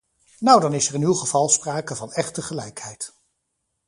Nou dan is er in uw geval sprake van echte gelijkheid.